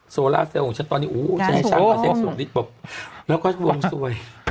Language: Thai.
โซล่าเซลล์ของฉันตอนนี้อุ้ยแซมแซมสูงสิบปุ๊บแล้วก็ลงซวย